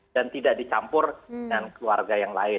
dan tidak dicampur dengan keluarga yang lain